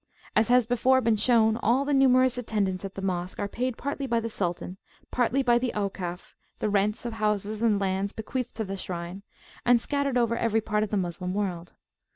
As has before been shown, all the numerous attendants at the Mosque are paid partly by the Sultan, partly by Aukaf, the rents of houses and lands bequeathed to the shrine, and scattered over every part of the Moslem world.